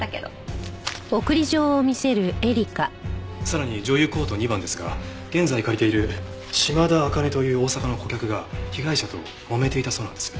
さらに女優コート２番ですが現在借りている島田茜という大阪の顧客が被害者ともめていたそうなんです。